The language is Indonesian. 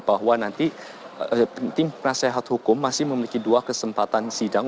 bahwa nanti tim penasehat hukum masih memiliki dua kesempatan sidang